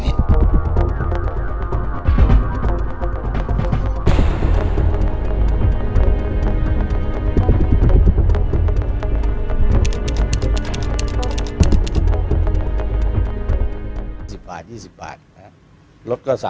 มีการที่จะพยายามติดศิลป์บ่นเจ้าพระงานนะครับ